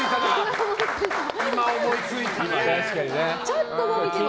今思いついたね！